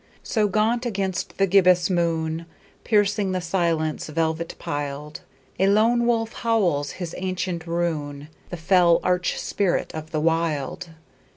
So gaunt against the gibbous moon, Piercing the silence velvet piled, A lone wolf howls his ancient rune— The fell arch spirit of the Wild.